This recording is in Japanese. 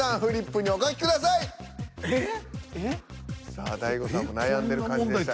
さあ大悟さんも悩んでる感じでしたね。